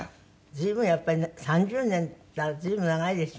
随分やっぱり３０年っていったら随分長いですよね。